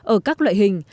ở các loại hình